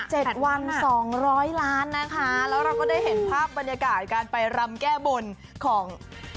เจ็ดวันสองร้อยล้านนะคะแล้วเราก็ได้เห็นภาพบรรยากาศการไปรำแก้บนของ